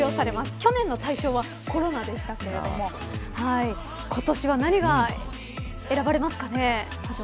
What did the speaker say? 去年の大賞はコロナでしたけれども今年は何が選ばれますかね。